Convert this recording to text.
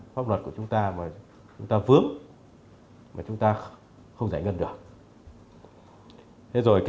pháp luật của chúng ta vướng mà chúng ta không giải ngân được